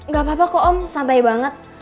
gak apa apa kok om santai banget